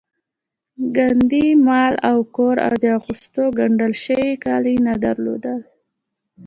ګاندي مال او کور او د اغوستو ګنډل شوي کالي نه درلودل